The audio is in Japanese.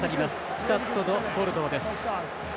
スタッド・ド・ボルドーです。